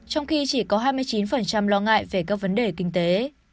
trong khi chỉ có hai mươi chín lo ngại về các vấn đề kinh tế